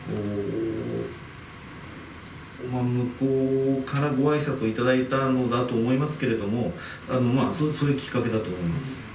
向こうからごあいさつをいただいたのだと思いますけれども、そういうきっかけだったと思います。